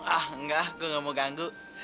ah enggak gue gak mau ganggu